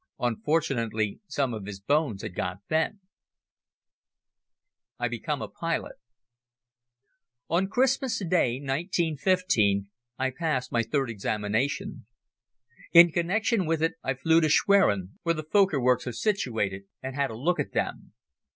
Unfortunately some of his bones had got bent. I Become a Pilot ON Christmas Day, 1915, I passed my third examination. In connection with it I flew to Schwerin, where the Fokker works are situated, and had a look at them.